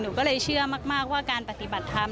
หนูก็เลยเชื่อมากว่าการปฏิบัติทำ